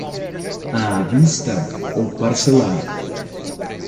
À vista ou parcelado?